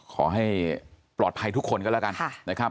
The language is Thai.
ขอให้ปลอดภัยทุกคนกันละกัน